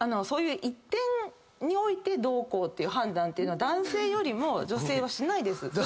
そういう一点においてどうこうっていう判断は男性よりも女性はしないです。